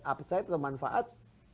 upside atau manfaat